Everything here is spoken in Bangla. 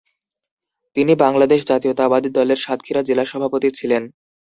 তিনি বাংলাদেশ জাতীয়তাবাদী দলের সাতক্ষীরা জেলা সভাপতি ছিলেন।